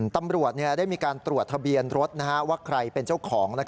ตำรวจได้มีการตรวจทะเบียนรถว่าใครเป็นเจ้าของ